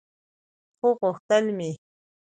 خو غوښتل مې